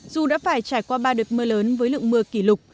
dù đã phải trải qua ba đợt mưa lớn với lượng mưa kỷ lục